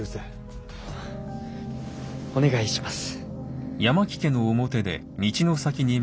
お願いします。